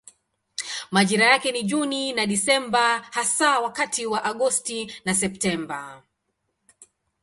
Majira yake ni Juni na Desemba hasa wakati wa Agosti na Septemba.